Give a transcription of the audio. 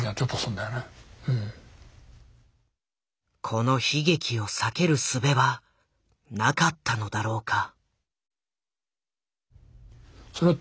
この悲劇を避けるすべはなかったのだろうか。